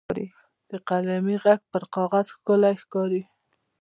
د قلمي ږغ پر کاغذ ښکلی ښکاري.